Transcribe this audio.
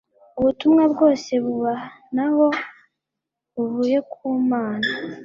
ubutumwa bwose busa naho buvuye ku mana